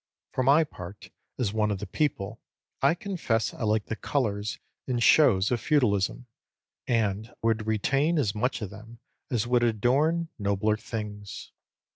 For my part, as one of the people, I confess I like the colours and shows of feudalism, and would retain as much of them as would adorn nobler things.